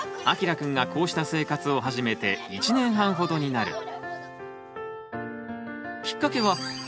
あきらくんがこうした生活を始めて１年半ほどになる。